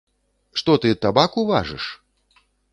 Што ты табаку важыш?